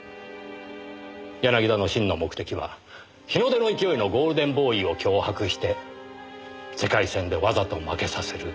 柳田の真の目的は日の出の勢いのゴールデンボーイを脅迫して世界戦でわざと負けさせる。